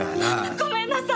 ごめんなさい！